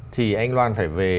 thì anh loan phải về